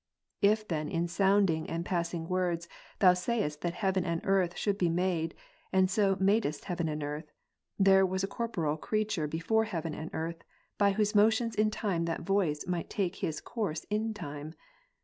If then in sounding and passing words Thou saidst that heaven and earth should be made, and so madest heaven and earth, there was a corporeal creature before heaven and earth, by whose motions in time that voice might take his course in time.